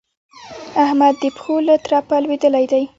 احمد د پښو له ترپه لوېدلی دی.